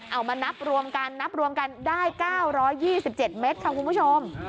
เอามานับรวมกันนับรวมกันได้เก้าร้อยยี่สิบเจ็ดเมตรค่ะคุณผู้ชม